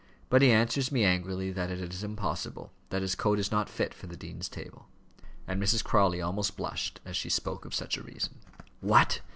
But he answers me angrily, that it is impossible that his coat is not fit for the dean's table," and Mrs. Crawley almost blushed as she spoke of such a reason. "What!